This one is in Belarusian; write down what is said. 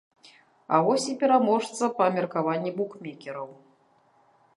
А вось і пераможца па меркаванні букмекераў.